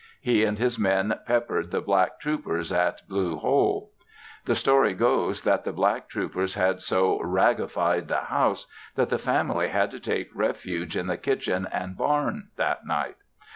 He and his men peppered the black troopers at Blue Hole. The story goes that the black troopers had so "raggified" the house that the family had to take refuge in the kitchen and barn that night.